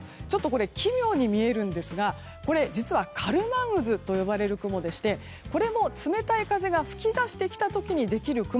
奇妙に見えるんですがこれ実はカルマン渦と呼ばれる雲でしてこれも冷たい風が吹き出してきた時にできる雲。